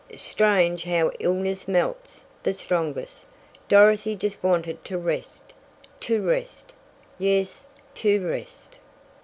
Strange how illness melts the strongest! Dorothy just wanted to rest to rest yes, to rest!